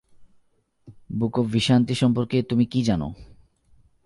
বুক of ভিশান্তি সম্পর্কে তুমি কী জানো?